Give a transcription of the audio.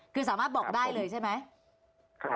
คือสามารถบอกได้เลยใช่ไหม